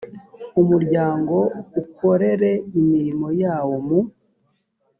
umuryango ukorere imirimo yawo mu